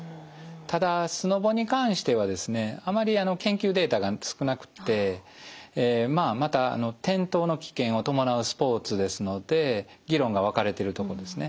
ただスノボに関してはあまり研究データが少なくてまあまた転倒の危険を伴うスポーツですので議論が分かれてるとこですね。